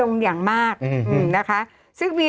โอเคโอเคโอเค